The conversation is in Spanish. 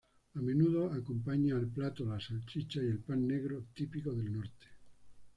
A menudo acompaña al plato las salchichas y el pan negro típico del norte.